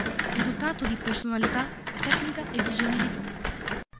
È dotato di personalità, tecnica e visione di gioco.